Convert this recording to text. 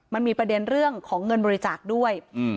มันมีประเด็นเรื่องของเงินบริจาคด้วย